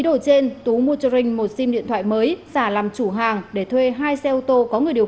đổi trên tú mua cho rinh một sim điện thoại mới giả làm chủ hàng để thuê hai xe ô tô có người điều